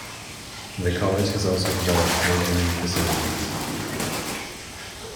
The college has also developed major new facilities.